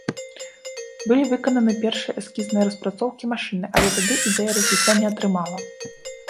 Былі выкананы першыя эскізныя распрацоўкі машыны, але тады ідэя развіцця не атрымала.